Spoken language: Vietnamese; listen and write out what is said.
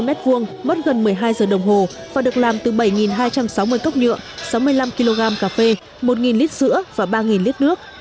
mất gần một mươi hai giờ đồng hồ và được làm từ bảy hai trăm sáu mươi cốc nhựa sáu mươi năm kg cà phê một lít sữa và ba lít nước